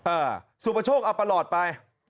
เออสุปชกเอาประหลอดไป